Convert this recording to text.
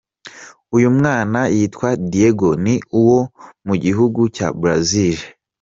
Uyu mwana yitwa Diego, ni uwo mu gihugu cya Brazil.